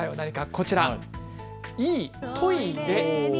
こちら、いいトイレ。